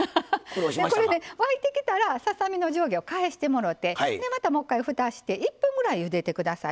沸いてきたらささ身の上下を返してもろてまたもう一回ふたして１分ぐらい、ゆでてください。